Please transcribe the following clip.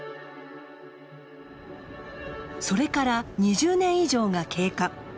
それから２０年以上が経過。